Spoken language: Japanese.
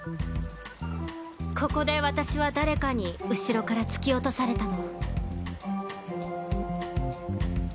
ここで私は誰かに後ろから突き落とされたの。